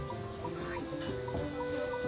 はい。